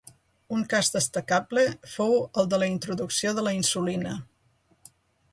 Un cas destacable fou el de la introducció de la insulina.